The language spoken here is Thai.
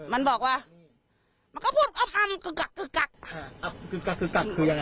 มันบอกว่ามันก็พูดอับอับกึกกักกึกกัก